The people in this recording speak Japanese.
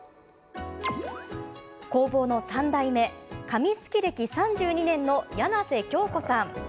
工房の３代目紙すき歴３２年の柳瀬京子さん。